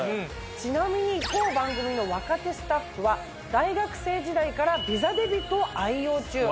ちなみに当番組の若手スタッフは大学生時代からＶｉｓａデビットを愛用中。